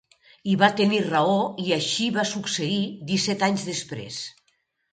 I va tenir raó i així va succeir, disset anys després.